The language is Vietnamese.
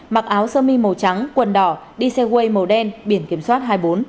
mặc áo sơ mi màu trắng quần đỏ đi xe way màu đen biển kiểm soát hai mươi bốn